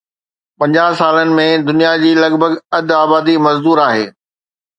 پنجاهه سالن ۾ دنيا جي لڳ ڀڳ اڌ آبادي مزدور آهي